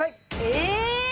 え！